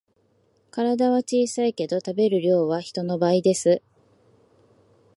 体は小さいけど食べる量は人の倍です